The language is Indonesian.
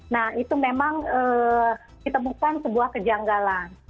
nah itu memang ditemukan sebuah kejanggalan